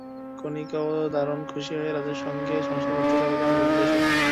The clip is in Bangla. কণিকাও দারুণ খুশি হয়ে রাজের সঙ্গে সংসার করতে চলে যান ভিনদেশে।